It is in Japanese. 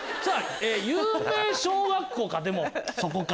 有名小学校かでもそこか。